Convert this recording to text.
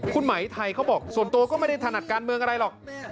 คุณไหมไทยเขาบอกส่วนตัวก็ไม่ได้ถนัดการเมืองอะไรหรอก